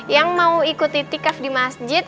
yang mau ikuti tikaf di masjid